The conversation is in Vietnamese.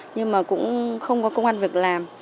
nhưng mà cũng không có công an việc làm